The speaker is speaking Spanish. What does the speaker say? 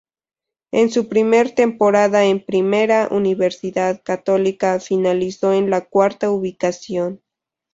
En su primera temporada en Primera, Universidad Católica finalizó en la cuarta ubicación.